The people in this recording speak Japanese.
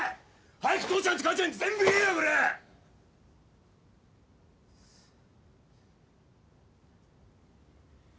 早く父ちゃんと母ちゃんに全部言えよこらぁ！